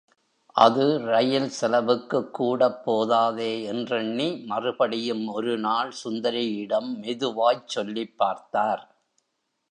அது ரயில் செலவுக்குக் கூடப் போதாதே என்றெண்ணி மறுபடியும் ஒரு நாள் சுந்தரியிடம் மெதுவாய்ச் சொல்லிப் பார்த்தார்.